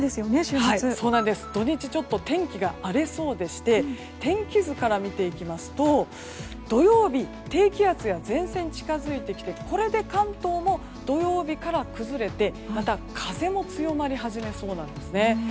土日、天気が荒れそうでして天気図から見ていきますと土曜日低気圧や前線が近づいてきてこれで関東も土曜日から崩れてまた風も強まり始めそうです。